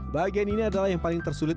bagian ini adalah yang paling tersulit